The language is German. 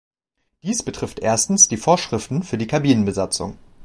Dies betrifft erstens die Vorschriften für die Kabinenbesatzung.